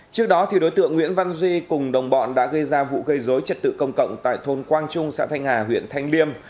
trước đó đối tượng nguyễn văn duy cùng đồng bọn đã gây ra vụ gây dối trật tự công cộng tại thôn quang trung xã thanh hà huyện thanh liêm